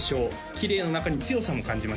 きれいの中に強さも感じましたね